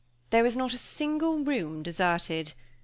There was not a single room deserted.